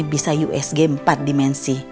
bisa usg empat dimensi